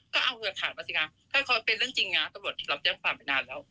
ก็เอาเถอะถามมาสิค่ะถ้าเป็นเรื่องจริงตรวจรับแจ้งฟังไปนานแล้ว